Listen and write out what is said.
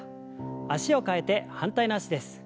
脚を替えて反対の脚です。